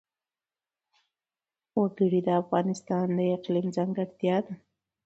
وګړي د افغانستان د اقلیم ځانګړتیا ده.